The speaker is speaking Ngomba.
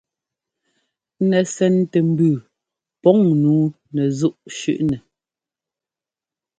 Nɛsɛntɛmbʉʉ pɔŋ nǔu nɛzúꞌ shʉ́ꞌnɛ.